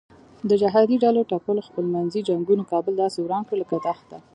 د جهادي ډلو ټپلو خپل منځي جنګونو کابل داسې وران کړ لکه دښته.